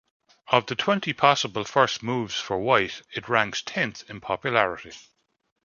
Of the twenty possible first moves for White, it ranks tenth in popularity.